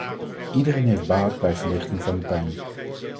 Iedereen heeft baat bij verlichting van de pijn.